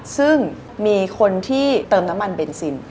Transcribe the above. ซึ่งมีคนที่เติมน้ำมันเบนซิน